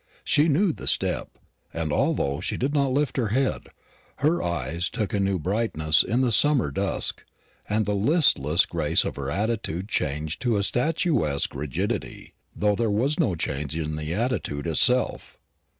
She knew the step; and although she did not lift her head, her eyes took a new brightness in the summer dusk, and the listless grace of her attitude changed to a statuesque rigidity, though there was no change in the attitude itself.